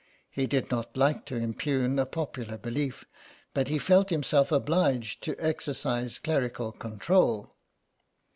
He did not like to impugn a popular belief, but he felt himself obliged to exercise clerical control.